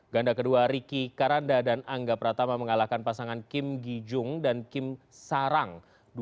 ganda kedua riki karanda dan angga pratama mengalahkan pasangan kim gi jung dan kim sarang dua